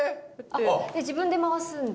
で自分で回すんだ。